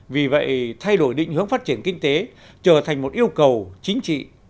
vì vậy thay đổi định hướng phát triển kinh tế trở thành một yêu cầu chính trị